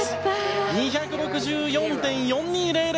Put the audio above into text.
２６４．４２００！